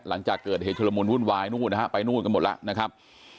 หลังจากเกิดเหตุชุลมุนวุ่นวายนู่นนะฮะไปนู่นกันหมดแล้วนะครับ